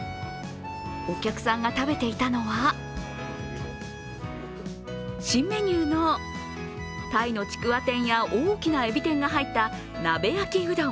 お客さんが食べていたのは新メニューの鯛のちくわ天や大きな海老天が入った鍋焼きうどん。